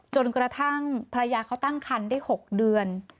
จนกระทั่งภรรยาเขาตั้งคันได้๖เดือน